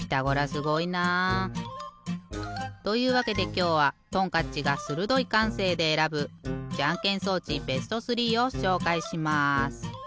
すごいな。というわけできょうはトンカッチがするどいかんせいでえらぶじゃんけん装置ベスト３をしょうかいします。